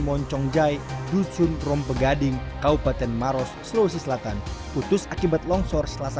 moncong jai dusun rompegading kaupaten maros sulawesi selatan putus akibat longsor selasa